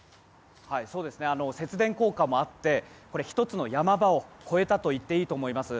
節電効果もあって１つの山場を越えたといっていいと思います。